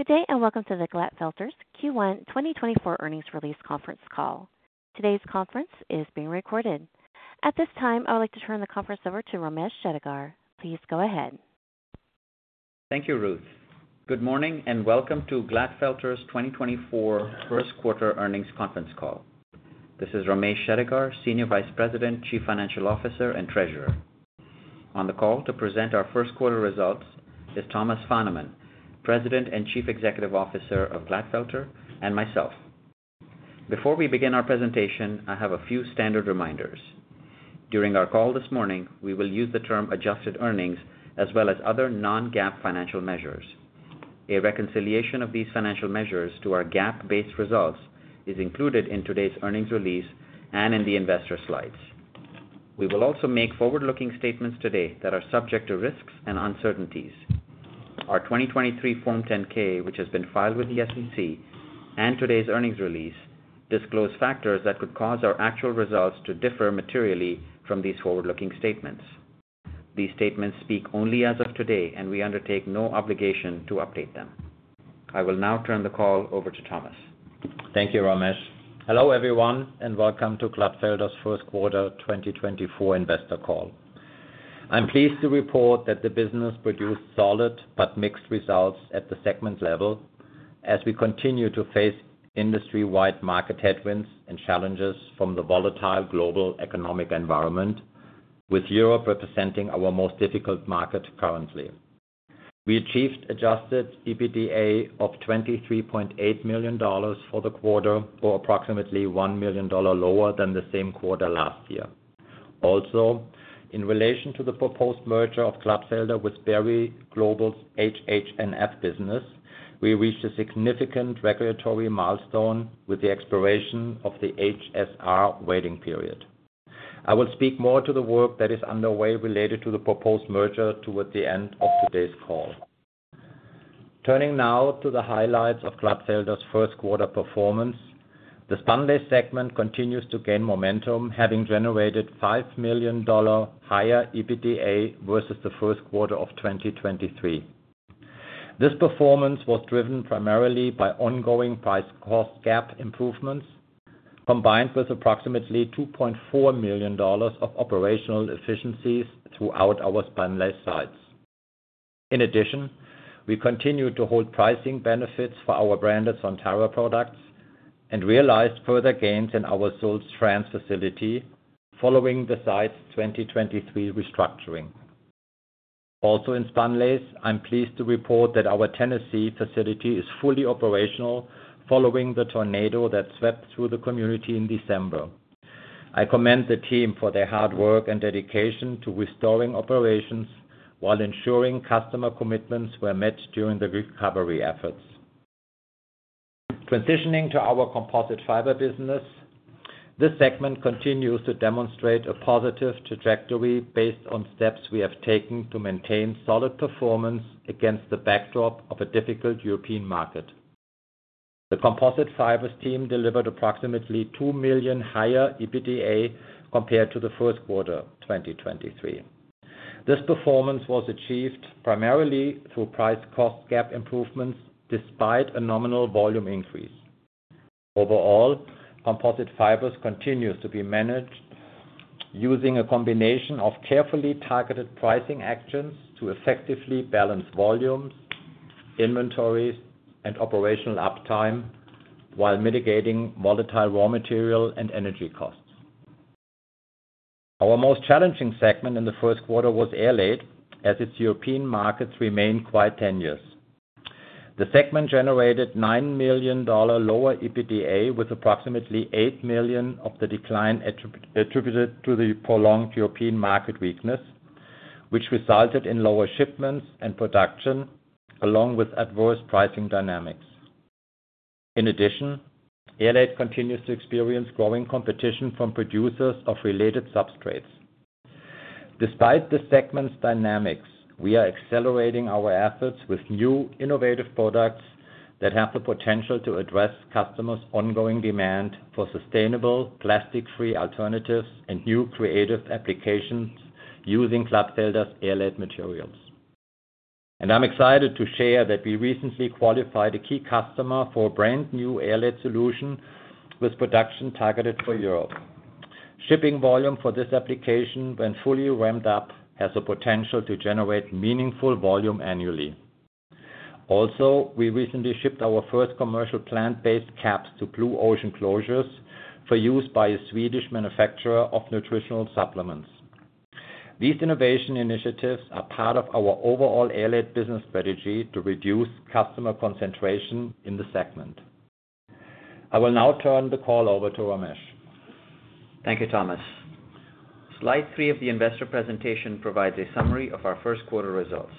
Good day and welcome to the Glatfelter's Q1 2024 earnings release conference call. Today's conference is being recorded. At this time, I would like to turn the conference over to Ramesh Shettigar. Please go ahead. Thank you, Ruth. Good morning and welcome to Glatfelter's 2024 first quarter earnings conference call. This is Ramesh Shettigar, Senior Vice President, Chief Financial Officer, and Treasurer. On the call to present our first quarter results is Thomas Fahnemann, President and Chief Executive Officer of Glatfelter, and myself. Before we begin our presentation, I have a few standard reminders. During our call this morning, we will use the term "adjusted earnings" as well as other non-GAAP financial measures. A reconciliation of these financial measures to our GAAP-based results is included in today's earnings release and in the investor slides. We will also make forward-looking statements today that are subject to risks and uncertainties. Our 2023 Form 10-K, which has been filed with the SEC, and today's earnings release disclose factors that could cause our actual results to differ materially from these forward-looking statements. These statements speak only as of today, and we undertake no obligation to update them. I will now turn the call over to Thomas. Thank you, Ramesh. Hello everyone, and welcome to Glatfelter's first quarter 2024 investor call. I'm pleased to report that the business produced solid but mixed results at the segments level as we continue to face industry-wide market headwinds and challenges from the volatile global economic environment, with Europe representing our most difficult market currently. We achieved Adjusted EBITDA of $23.8 million for the quarter, or approximately $1 million lower than the same quarter last year. Also, in relation to the proposed merger of Glatfelter with Berry Global's HHNF business, we reached a significant regulatory milestone with the expiration of the HSR waiting period. I will speak more to the work that is underway related to the proposed merger toward the end of today's call. Turning now to the highlights of Glatfelter's first quarter performance: the Spunlace segment continues to gain momentum, having generated $5 million higher EBITDA versus the first quarter of 2023. This performance was driven primarily by ongoing price-cost gap improvements, combined with approximately $2.4 million of operational efficiencies throughout our Spunlace sites. In addition, we continued to hold pricing benefits for our branded Sontara products and realized further gains in our Soultz France facility following the site's 2023 restructuring. Also in Spunlace, I'm pleased to report that our Tennessee facility is fully operational following the tornado that swept through the community in December. I commend the team for their hard work and dedication to restoring operations while ensuring customer commitments were met during the recovery efforts. Transitioning to our Composite Fibers business: this segment continues to demonstrate a positive trajectory based on steps we have taken to maintain solid performance against the backdrop of a difficult European market. The Composite Fibers team delivered approximately $2 million higher EBITDA compared to the first quarter 2023. This performance was achieved primarily through price-cost gap improvements despite a nominal volume increase. Overall, Composite Fibers continues to be managed using a combination of carefully targeted pricing actions to effectively balance volumes, inventories, and operational uptime while mitigating volatile raw material and energy costs. Our most challenging segment in the first quarter was airlaid, as its European markets remained quite tenuous. The segment generated $9 million lower EBITDA with approximately $8 million of the decline attributed to the prolonged European market weakness, which resulted in lower shipments and production along with adverse pricing dynamics. In addition, airlaid continues to experience growing competition from producers of related substrates. Despite this segment's dynamics, we are accelerating our efforts with new, innovative products that have the potential to address customers' ongoing demand for sustainable, plastic-free alternatives and new creative applications using Glatfelter's airlaid materials. And I'm excited to share that we recently qualified a key customer for a brand-new airlaid solution with production targeted for Europe. Shipping volume for this application, when fully ramped up, has the potential to generate meaningful volume annually. Also, we recently shipped our first commercial plant-based caps to Blue Ocean Closures for use by a Swedish manufacturer of nutritional supplements. These innovation initiatives are part of our overall airlaid business strategy to reduce customer concentration in the segment. I will now turn the call over to Ramesh. Thank you, Thomas. Slide 3 of the investor presentation provides a summary of our first quarter results.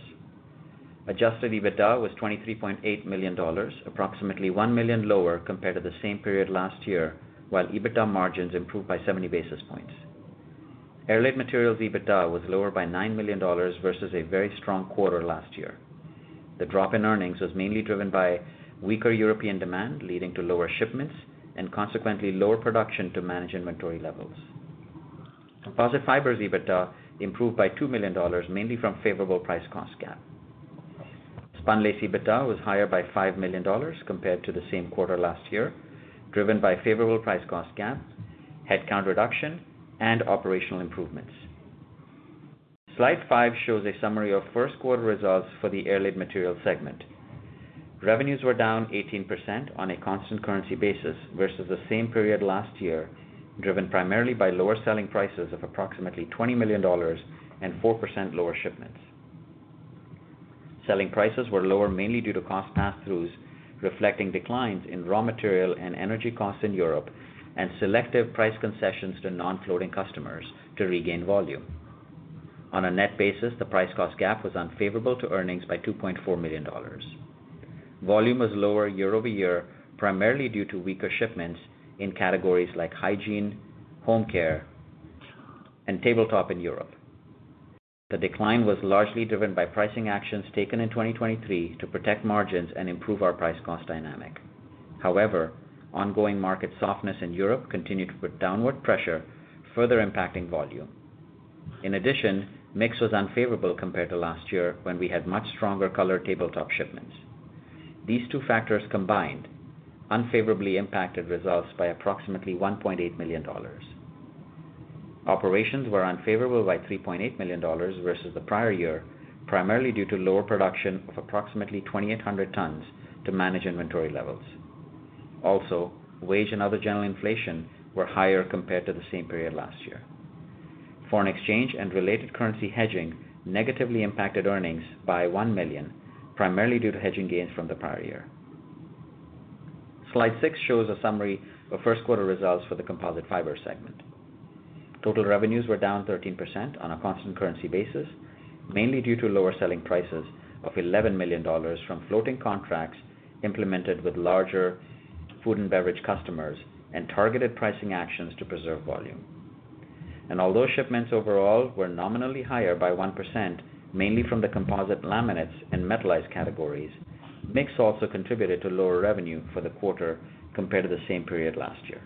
Adjusted EBITDA was $23.8 million, approximately $1 million lower compared to the same period last year, while EBITDA margins improved by 70 basis points. Airlaid Materials EBITDA was lower by $9 million versus a very strong quarter last year. The drop in earnings was mainly driven by weaker European demand, leading to lower shipments and consequently lower production to manage inventory levels. Composite Fibers EBITDA improved by $2 million, mainly from favorable price-cost gap. Spunlace EBITDA was higher by $5 million compared to the same quarter last year, driven by favorable price-cost gap, headcount reduction, and operational improvements. Slide 5 shows a summary of first quarter results for the Airlaid Materials segment. Revenues were down 18% on a constant currency basis versus the same period last year, driven primarily by lower selling prices of approximately $20 million and 4% lower shipments. Selling prices were lower mainly due to cost pass-throughs reflecting declines in raw material and energy costs in Europe and selective price concessions to non-floating customers to regain volume. On a net basis, the price-cost gap was unfavorable to earnings by $2.4 million. Volume was lower year-over-year, primarily due to weaker shipments in categories like hygiene, home care, and tabletop in Europe. The decline was largely driven by pricing actions taken in 2023 to protect margins and improve our price-cost dynamic. However, ongoing market softness in Europe continued to put downward pressure, further impacting volume. In addition, mix was unfavorable compared to last year when we had much stronger colored tabletop shipments. These two factors combined unfavorably impacted results by approximately $1.8 million. Operations were unfavorable by $3.8 million versus the prior year, primarily due to lower production of approximately 2,800 tons to manage inventory levels. Also, wage and other general inflation were higher compared to the same period last year. Foreign exchange and related currency hedging negatively impacted earnings by $1 million, primarily due to hedging gains from the prior year. Slide 6 shows a summary of first quarter results for the Composite Fibers segment. Total revenues were down 13% on a constant currency basis, mainly due to lower selling prices of $11 million from floating contracts implemented with larger food and beverage customers and targeted pricing actions to preserve volume. And although shipments overall were nominally higher by 1%, mainly from the composite laminates and metalized categories, mix also contributed to lower revenue for the quarter compared to the same period last year.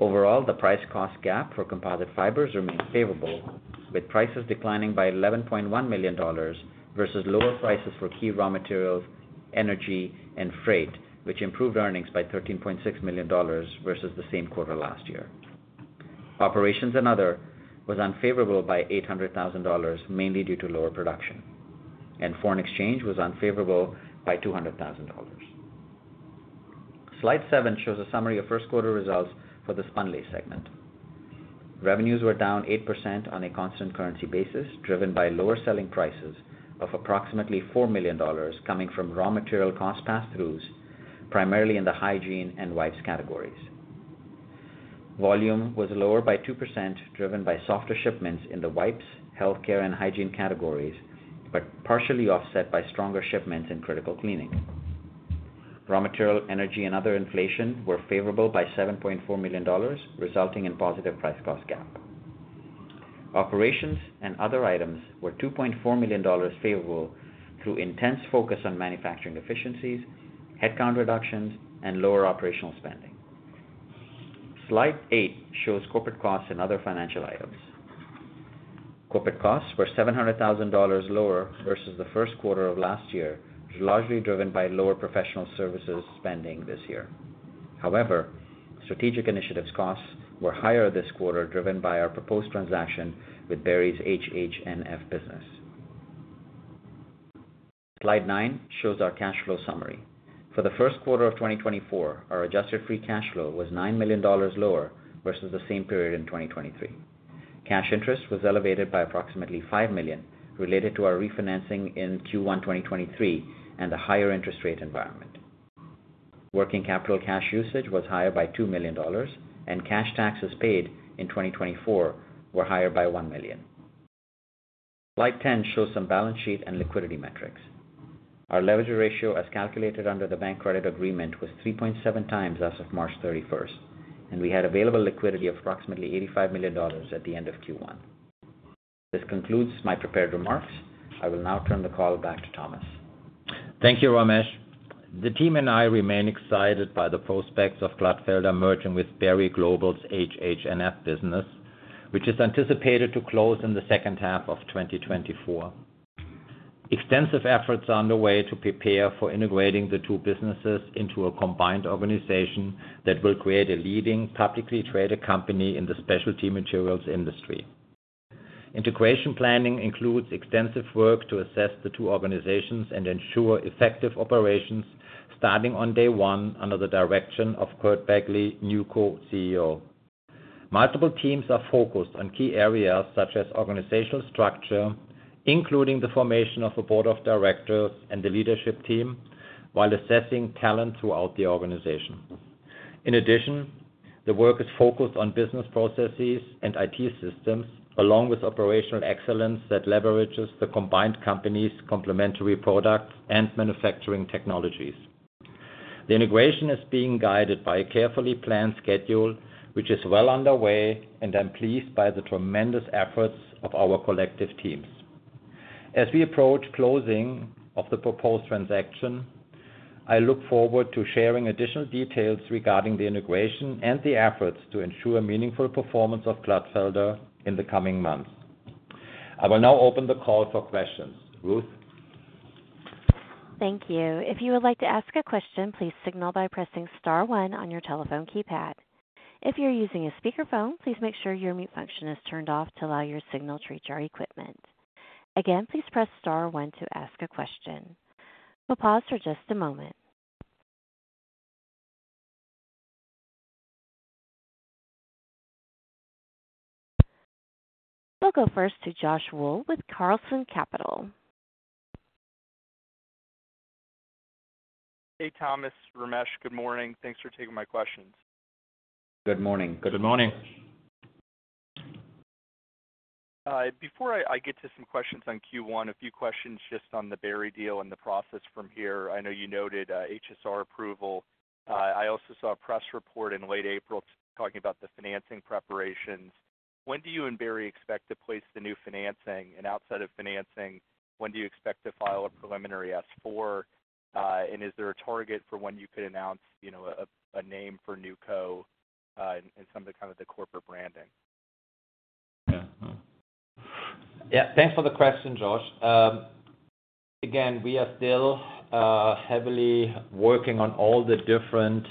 Overall, the price-cost gap for Composite Fibers remained favorable, with prices declining by $11.1 million versus lower prices for key raw materials, energy, and freight, which improved earnings by $13.6 million versus the same quarter last year. Operations and other was unfavorable by $800,000, mainly due to lower production. Foreign exchange was unfavorable by $200,000. Slide 7 shows a summary of first quarter results for the Spunlace segment. Revenues were down 8% on a constant currency basis, driven by lower selling prices of approximately $4 million coming from raw material cost pass-throughs, primarily in the hygiene and wipes categories. Volume was lower by 2%, driven by softer shipments in the wipes, healthcare, and hygiene categories, but partially offset by stronger shipments in critical cleaning. Raw material, energy, and other inflation were favorable by $7.4 million, resulting in positive price-cost gap. Operations and other items were $2.4 million favorable through intense focus on manufacturing efficiencies, headcount reductions, and lower operational spending. Slide 8 shows corporate costs and other financial items. Corporate costs were $700,000 lower versus the first quarter of last year, largely driven by lower professional services spending this year. However, strategic initiatives costs were higher this quarter, driven by our proposed transaction with Berry's HHNF business. Slide 9 shows our cash flow summary. For the first quarter of 2024, our adjusted free cash flow was $9 million lower versus the same period in 2023. Cash interest was elevated by approximately $5 million, related to our refinancing in Q1 2023 and the higher interest rate environment. Working capital cash usage was higher by $2 million, and cash taxes paid in 2024 were higher by $1 million. Slide 10 shows some balance sheet and liquidity metrics. Our leverage ratio, as calculated under the bank credit agreement, was 3.7x as of March 31st, and we had available liquidity of approximately $85 million at the end of Q1. This concludes my prepared remarks. I will now turn the call back to Thomas. Thank you, Ramesh. The team and I remain excited by the prospects of Glatfelter merging with Berry Global's HHNF business, which is anticipated to close in the second half of 2024. Extensive efforts are underway to prepare for integrating the two businesses into a combined organization that will create a leading publicly traded company in the specialty materials industry. Integration planning includes extensive work to assess the two organizations and ensure effective operations starting on day one under the direction of Curt Begle, Newco CEO. Multiple teams are focused on key areas such as organizational structure, including the formation of a board of directors and the leadership team, while assessing talent throughout the organization. In addition, the work is focused on business processes and IT systems, along with operational excellence that leverages the combined company's complementary products and manufacturing technologies. The integration is being guided by a carefully planned schedule, which is well underway, and I'm pleased by the tremendous efforts of our collective teams. As we approach closing of the proposed transaction, I look forward to sharing additional details regarding the integration and the efforts to ensure meaningful performance of Glatfelter in the coming months. I will now open the call for questions. Ruth. Thank you. If you would like to ask a question, please signal by pressing star one on your telephone keypad. If you're using a speakerphone, please make sure your mute function is turned off to allow your signal to reach our equipment. Again, please press star one to ask a question. We'll pause for just a moment. We'll go first to Josh Wool with Carlson Capital. Hey, Thomas. Ramesh, good morning. Thanks for taking my questions. Good morning. Good morning. Before I get to some questions on Q1, a few questions just on the Berry deal and the process from here. I know you noted HSR approval. I also saw a press report in late April talking about the financing preparations. When do you and Berry expect to place the new financing and outside of financing? When do you expect to file a preliminary S4? And is there a target for when you could announce a name for Newco and some of the kind of the corporate branding? Yeah. Thanks for the question, Josh. Again, we are still heavily working on all the different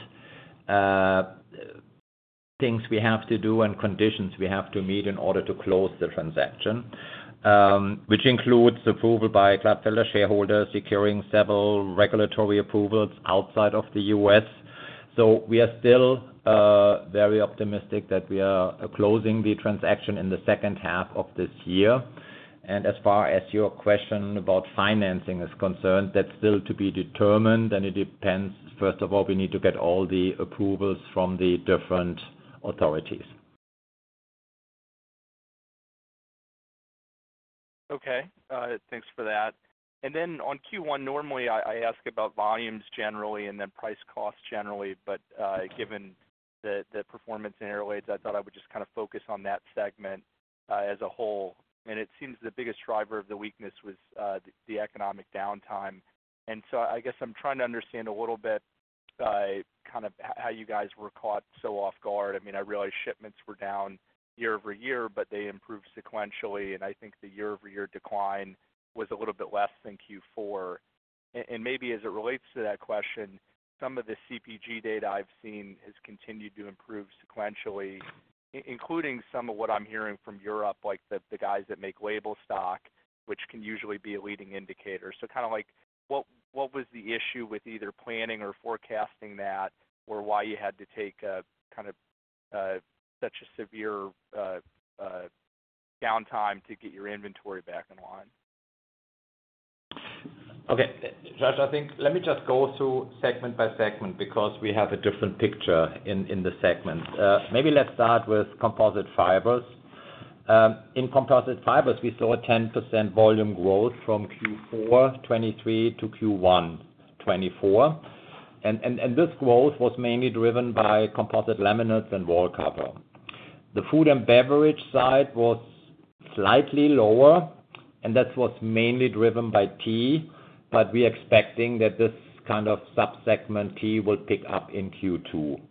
things we have to do and conditions we have to meet in order to close the transaction, which includes approval by Glatfelter shareholders, securing several regulatory approvals outside of the U.S. So we are still very optimistic that we are closing the transaction in the second half of this year. And as far as your question about financing is concerned, that's still to be determined, and it depends. First of all, we need to get all the approvals from the different authorities. Okay. Thanks for that. And then on Q1, normally I ask about volumes generally and then price costs generally, but given the performance in airlaid, I thought I would just kind of focus on that segment as a whole. And it seems the biggest driver of the weakness was the economic downtime. And so I guess I'm trying to understand a little bit kind of how you guys were caught so off guard. I mean, I realize shipments were down year-over-year, but they improved sequentially, and I think the year-over-year decline was a little bit less than Q4. And maybe as it relates to that question, some of the CPG data I've seen has continued to improve sequentially, including some of what I'm hearing from Europe, like the guys that make label stock, which can usually be a leading indicator. So kind of what was the issue with either planning or forecasting that or why you had to take kind of such a severe downtime to get your inventory back in line? Okay. Josh, I think let me just go through segment by segment because we have a different picture in the segment. Maybe let's start with Composite Fibers. In Composite Fibers, we saw a 10% volume growth from Q4 2023 to Q1 2024. And this growth was mainly driven by composite laminates and wallcover. The food and beverage side was slightly lower, and that was mainly driven by tea, but we're expecting that this kind of subsegment tea will pick up in Q2.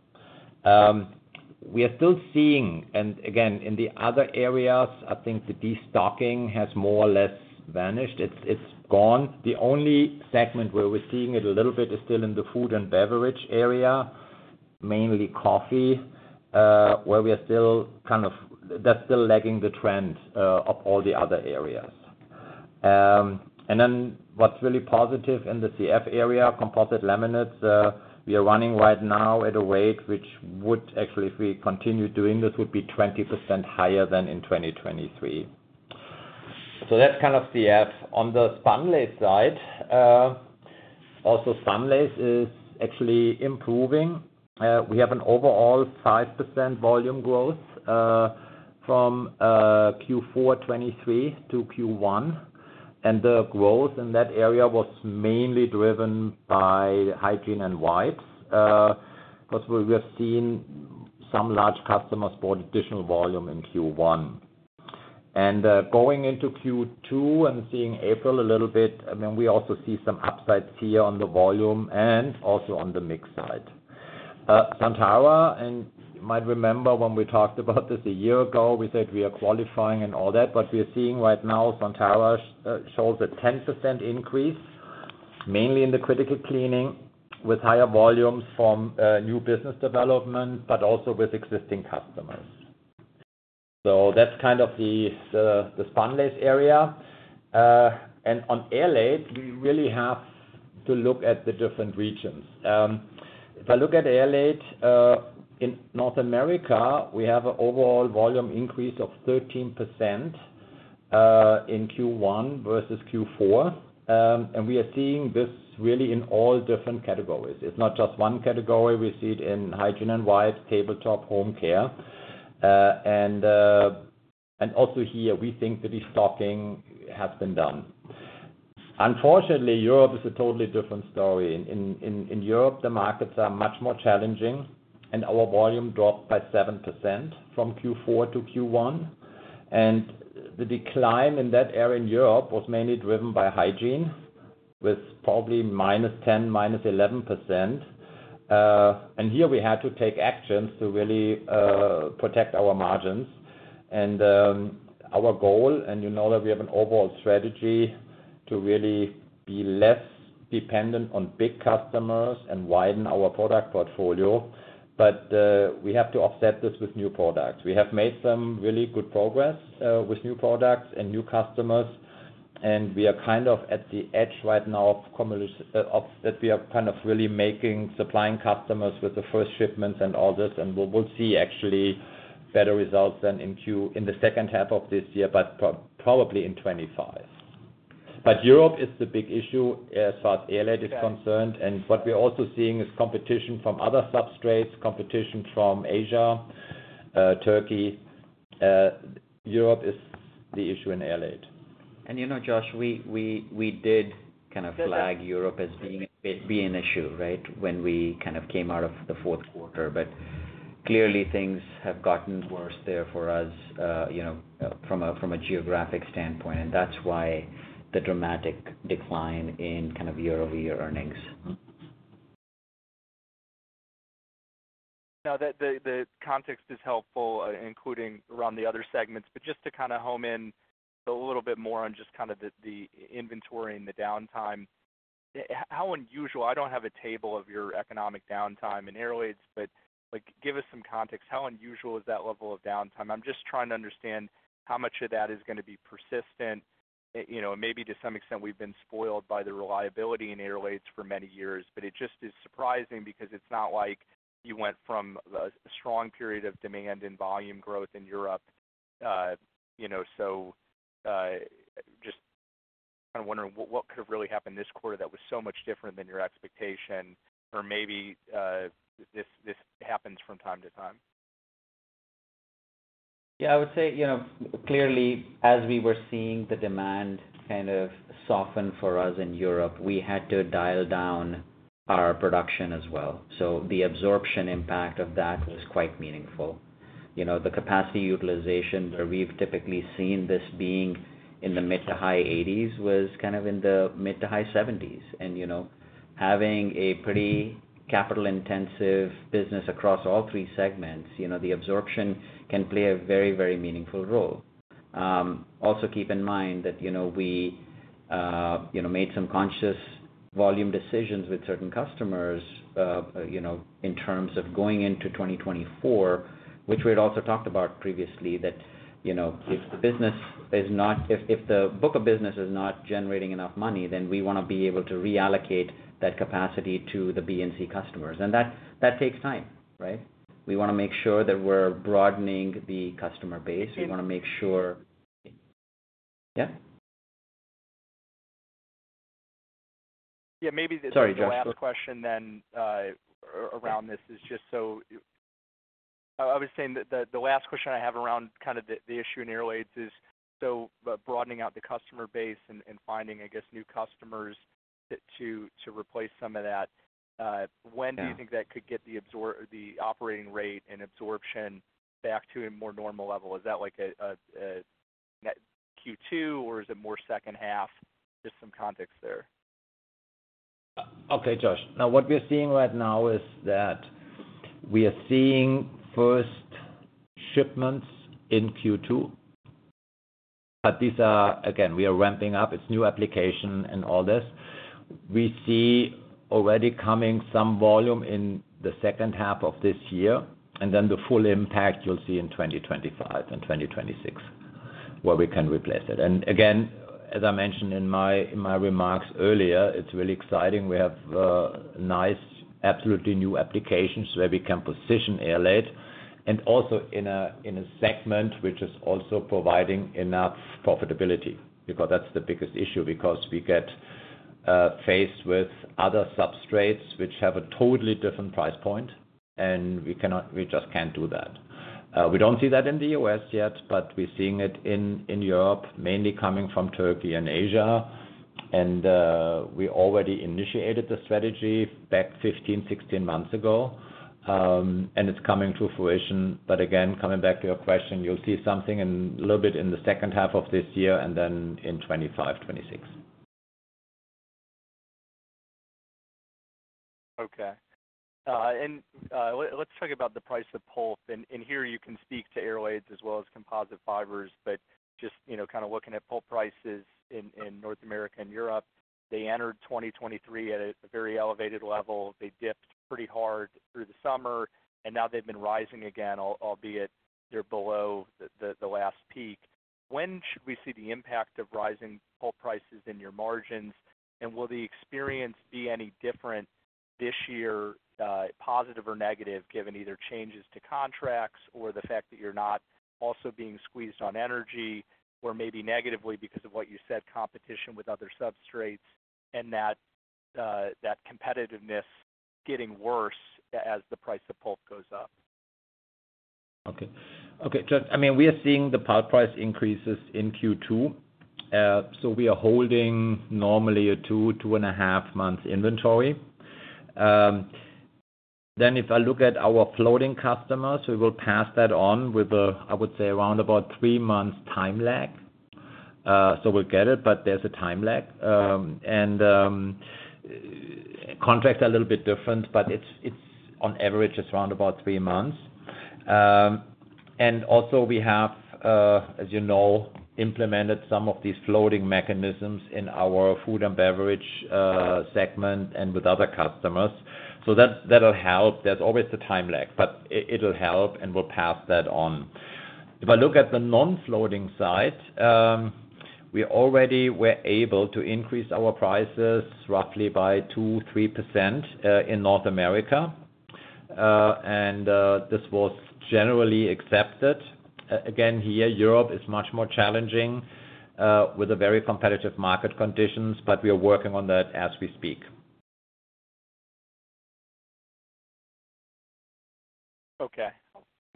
We are still seeing and again, in the other areas, I think the destocking has more or less vanished. It's gone. The only segment where we're seeing it a little bit is still in the food and beverage area, mainly coffee, where we are still kind of that's still lagging the trend of all the other areas. And then what's really positive in the CF area, composite laminates, we are running right now at a rate which would actually, if we continue doing this, would be 20% higher than in 2023. So that's kind of CF. On the spunlace side, also spunlace is actually improving. We have an overall 5% volume growth from Q4 2023 to Q1, and the growth in that area was mainly driven by hygiene and wipes because we were seeing some large customers bought additional volume in Q1. And going into Q2 and seeing April a little bit, I mean, we also see some upsides here on the volume and also on the mix side. Sontara, and you might remember when we talked about this a year ago, we said we are qualifying and all that, but we are seeing right now Sontara shows a 10% increase, mainly in the critical cleaning, with higher volumes from new business development but also with existing customers. So that's kind of the spunlace area. And on airlaid, we really have to look at the different regions. If I look at airlaid, in North America, we have an overall volume increase of 13% in Q1 versus Q4, and we are seeing this really in all different categories. It's not just one category. We see it in hygiene and wipes, tabletop, home care. And also here, we think the destocking has been done. Unfortunately, Europe is a totally different story. In Europe, the markets are much more challenging, and our volume dropped by 7% from Q4 to Q1. The decline in that area in Europe was mainly driven by hygiene with probably -10%-11%. And here we had to take actions to really protect our margins. And our goal, and you know that we have an overall strategy to really be less dependent on big customers and widen our product portfolio, but we have to offset this with new products. We have made some really good progress with new products and new customers, and we are kind of at the edge right now of that we are kind of really making supplying customers with the first shipments and all this, and we'll see actually better results than in the second half of this year, but probably in 2025. But Europe is the big issue as far as airlaid is concerned. And what we're also seeing is competition from other substrates, competition from Asia, Turkey. Europe is the issue in airlaid. You know, Josh, we did kind of flag Europe as being an issue, right, when we kind of came out of the fourth quarter. But clearly, things have gotten worse there for us from a geographic standpoint, and that's why the dramatic decline in kind of year-over-year earnings. Now, the context is helpful, including around the other segments, but just to kind of hone in a little bit more on just kind of the inventory and the downtime, how unusual? I don't have a table of your economic downtime in airlaid, but give us some context. How unusual is that level of downtime? I'm just trying to understand how much of that is going to be persistent. Maybe to some extent, we've been spoiled by the reliability in airlaid for many years, but it just is surprising because it's not like you went from a strong period of demand and volume growth in Europe. So just kind of wondering what could have really happened this quarter that was so much different than your expectation, or maybe this happens from time to time. Yeah. I would say clearly, as we were seeing the demand kind of soften for us in Europe, we had to dial down our production as well. So the absorption impact of that was quite meaningful. The capacity utilization where we've typically seen this being in the mid- to high 80s was kind of in the mid- to high 70s. And having a pretty capital-intensive business across all three segments, the absorption can play a very, very meaningful role. Also, keep in mind that we made some conscious volume decisions with certain customers in terms of going into 2024, which we had also talked about previously, that if the business is not if the book of business is not generating enough money, then we want to be able to reallocate that capacity to the BNC customers. And that takes time, right? We want to make sure that we're broadening the customer base. We want to make sure yeah? Yeah. Maybe the last question then around this is just so I was saying the last question I have around kind of the issue in airlaid is so broadening out the customer base and finding, I guess, new customers to replace some of that. When do you think that could get the operating rate and absorption back to a more normal level? Is that like Q2, or is it more second half? Just some context there. Okay, Josh. Now, what we are seeing right now is that we are seeing first shipments in Q2, but these are again, we are ramping up. It's new application and all this. We see already coming some volume in the second half of this year, and then the full impact you'll see in 2025 and 2026 where we can replace it. And again, as I mentioned in my remarks earlier, it's really exciting. We have nice, absolutely new applications where we can position airlaid, and also in a segment which is also providing enough profitability because that's the biggest issue, because we get faced with other substrates which have a totally different price point, and we just can't do that. We don't see that in the U.S. yet, but we're seeing it in Europe, mainly coming from Turkey and Asia. We already initiated the strategy back 15, 16 months ago, and it's coming to fruition. Again, coming back to your question, you'll see something a little bit in the second half of this year and then in 2025, 2026. Okay. And let's talk about the price of pulp. And here you can speak to airlaid as well as composite fibers, but just kind of looking at pulp prices in North America and Europe, they entered 2023 at a very elevated level. They dipped pretty hard through the summer, and now they've been rising again, albeit they're below the last peak. When should we see the impact of rising pulp prices in your margins? And will the experience be any different this year, positive or negative, given either changes to contracts or the fact that you're not also being squeezed on energy, or maybe negatively because of what you said, competition with other substrates and that competitiveness getting worse as the price of pulp goes up? Okay. Okay. I mean, we are seeing the pulp price increases in Q2, so we are holding normally a 2-2.5 months inventory. Then if I look at our floating customers, we will pass that on with a, I would say, around about 3 months time lag. So we'll get it, but there's a time lag. And contracts are a little bit different, but it's on average just around about 3 months. And also, we have, as you know, implemented some of these floating mechanisms in our food and beverage segment and with other customers. So that'll help. There's always the time lag, but it'll help and we'll pass that on. If I look at the non-floating side, we already were able to increase our prices roughly by 2%-3% in North America, and this was generally accepted. Again, here, Europe is much more challenging with very competitive market conditions, but we are working on that as we speak. Okay.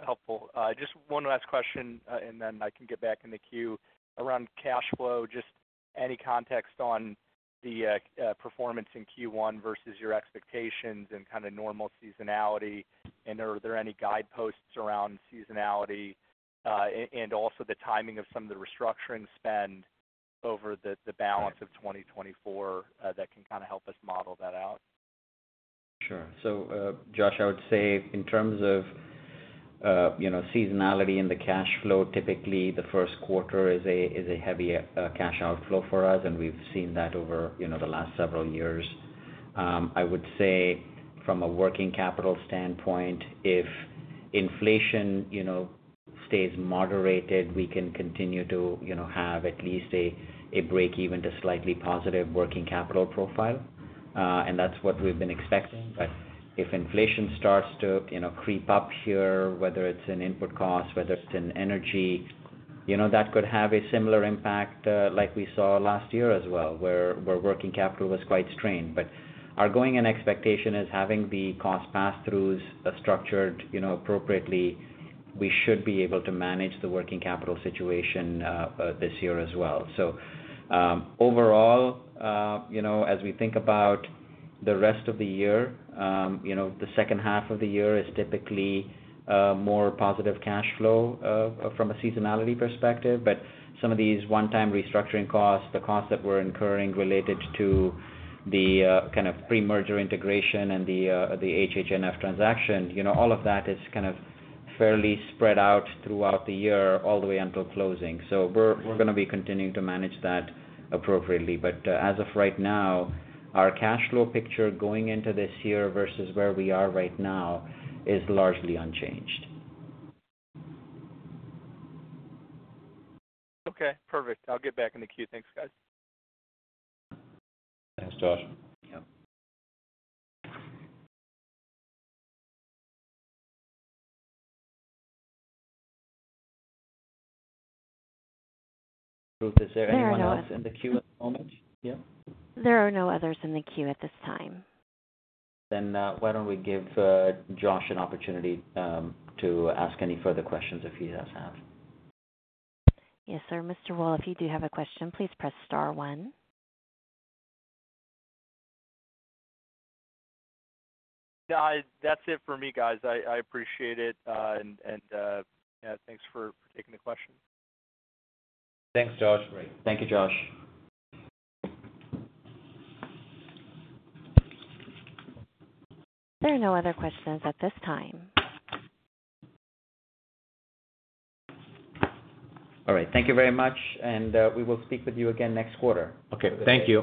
Helpful. Just one last question, and then I can get back in the queue. Around cash flow, just any context on the performance in Q1 versus your expectations and kind of normal seasonality, and are there any guideposts around seasonality and also the timing of some of the restructuring spend over the balance of 2024 that can kind of help us model that out? Sure. So, Josh, I would say in terms of seasonality and the cash flow, typically, the first quarter is a heavy cash outflow for us, and we've seen that over the last several years. I would say from a working capital standpoint, if inflation stays moderated, we can continue to have at least a breakeven to slightly positive working capital profile, and that's what we've been expecting. But if inflation starts to creep up here, whether it's in input costs, whether it's in energy, that could have a similar impact like we saw last year as well, where working capital was quite strained. But our going-in expectation is having the cost pass-throughs structured appropriately. We should be able to manage the working capital situation this year as well. So overall, as we think about the rest of the year, the second half of the year is typically more positive cash flow from a seasonality perspective. But some of these one-time restructuring costs, the costs that we're incurring related to the kind of pre-merger integration and the HHNF transaction, all of that is kind of fairly spread out throughout the year all the way until closing. So we're going to be continuing to manage that appropriately. But as of right now, our cash flow picture going into this year versus where we are right now is largely unchanged. Okay. Perfect. I'll get back in the queue. Thanks, guys. Thanks, Josh. Is there anyone else in the queue at the moment? Yeah? There are no others in the queue at this time. Then why don't we give Josh an opportunity to ask any further questions if he does have? Yes, sir. Mr. Wool, if you do have a question, please press star one. That's it for me, guys. I appreciate it. And yeah, thanks for taking the question. Thanks, Josh. Great. Thank you, Josh. There are no other questions at this time. All right. Thank you very much, and we will speak with you again next quarter. Okay. Thank you.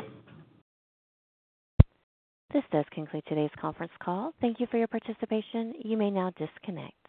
This does conclude today's conference call. Thank you for your participation. You may now disconnect.